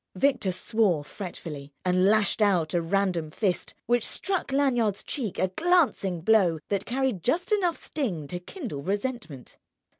Victor swore fretfully and lashed out a random fist, which struck Lanyard's cheek a glancing blow that carried just enough sting to kindle resentment.